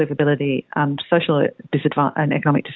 kekurangan sosial dan ekonomi